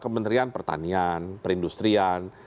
kementerian pertanian perindustrian